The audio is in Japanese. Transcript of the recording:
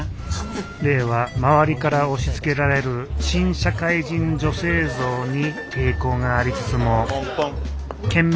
玲は周りから押しつけられる新社会人女性像に抵抗がありつつもポンポン。